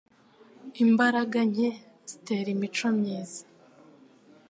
Imbaraga nke zitera imico myiza